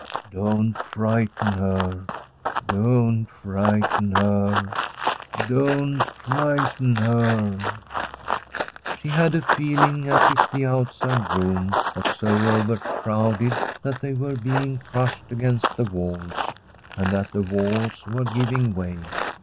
Don't frighten her I don't frighten her ! don't frighten her !' She had a feeling as if the outside room was so overcrowded that they were being crushed against ttie walls, and that the walls were giving way.